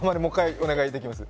お願いできますか？